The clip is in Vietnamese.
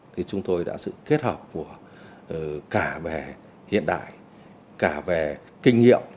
thì chúng tôi đã sự kết hợp của cả về hiện đại cả về kinh nghiệm